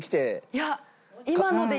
いや。